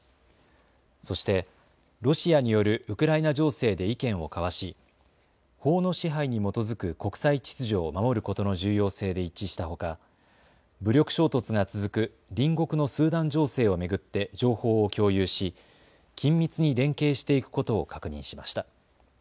そしてロシアによるウクライナ情勢で意見を交わし法の支配に基づく国際秩序を守ることの重要性で一致したほか武力衝突が続く隣国のスーダン情勢を巡って情報を共有し緊密に連携していくことを確認しました。